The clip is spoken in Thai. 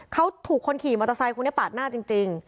เขาถูกคนขี่มอเตอร์ไซค์คนนี้ปาดหน้าจริง